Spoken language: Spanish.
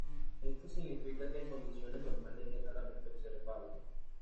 Esto significa que en condiciones normales es raramente observable.